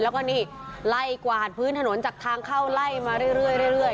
แล้วก็นี่ไล่กวาดพื้นถนนจากทางเข้าไล่มาเรื่อย